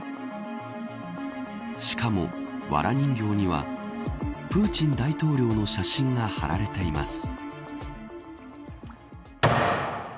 しかも、わら人形にはプーチン大統領の写真が貼られています。